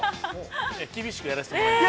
厳しくやらせてもらいます。